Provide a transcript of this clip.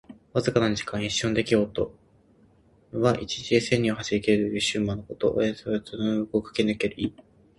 わずかな時間。一瞬の出来事。「騏驥」は一日で千里を走りきるといわれる駿馬のこと。「過隙」は戸の隙間の向こう側をかけぬける意。